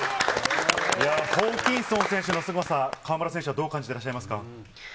ホーキンソン選手のすごさ、河村選手はどう感じていらっしゃいますか。